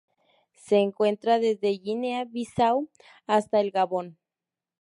Se encuentra desde Guinea-Bissau hasta el Gabón.